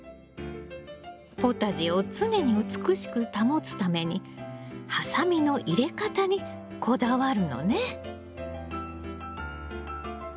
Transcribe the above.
ポタジェを常に美しく保つためにハサミの入れ方にこだわるのね。